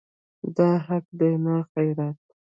دا حق دی نه خیرات.